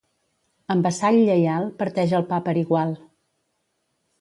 Amb vassall lleial, parteix el pa per igual.